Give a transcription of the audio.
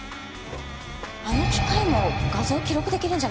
あの機械も画像を記録できるんじゃないですかね？